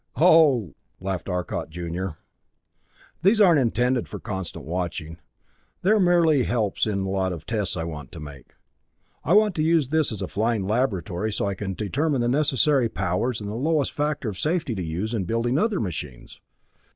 "Oh," laughed Arcot junior, "these aren't intended for constant watching. They're merely helps in a lot of tests I want to make. I want to use this as a flying laboratory so I can determine the necessary powers and the lowest factor of safety to use in building other machines.